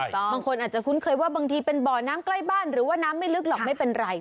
บางคนอาจจะคุ้นเคยว่าบางทีเป็นบ่อน้ำใกล้บ้านหรือว่าน้ำไม่ลึกหรอกไม่เป็นไร